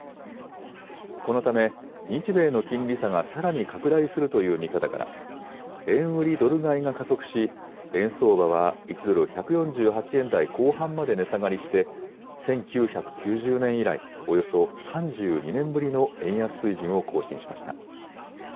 このため、日米の金利差がさらに拡大するという見方から、円売りドル買いが加速し、円相場は１ドル１４８円台後半まで値下がりして、１９９０年以来、およそ３２年ぶりの円安水準を更新しました。